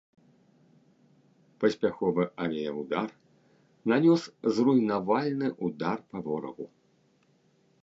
Паспяховы авіяўдар нанёс зруйнавальны ўдар па ворагу.